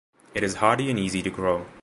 It is hardy and easy to grow.